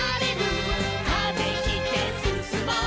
「風切ってすすもう」